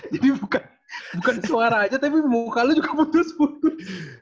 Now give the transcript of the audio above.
jadi bukan suara aja tapi mukanya juga putus putus